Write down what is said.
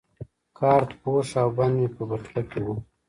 کارت پوښ او بند مې په بټوه کې وو.